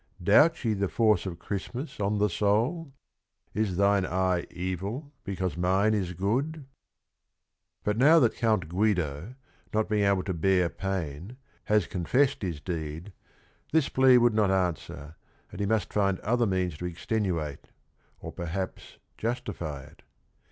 Doubt ye the force of Christmas on the soul? 'Is thine eye evil because mine is good? '" But now that Count Guido, not being able to bear pain, has confessed his deed, this plea would not answer, and he must find other means to extenuate or perhaps justify it.